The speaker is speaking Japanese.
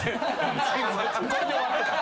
これで終わってた。